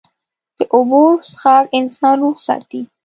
د اوبو څښاک انسان روغ ساتي.